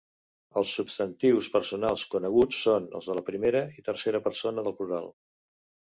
Els substantius personals coneguts són els de la primera i tercera persona del plural.